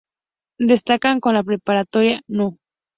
Destacan con la Preparatoria No.